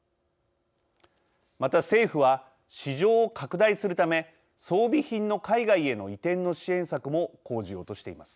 また、政府は市場を拡大するため装備品の海外への移転の支援策も講じようとしています。